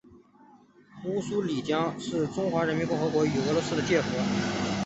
乌苏里江是中华人民共和国与俄罗斯的界河。